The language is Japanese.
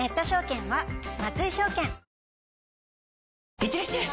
いってらっしゃい！